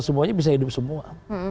semuanya bisa hidup semua